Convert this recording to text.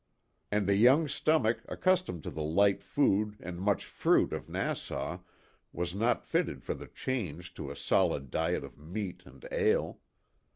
And a young stomach accustomed to the light food and much fruit of Nassau was not fitted for the change to a solid diet of meat and ale.